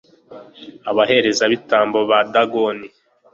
abaherezabitambo ba dagoni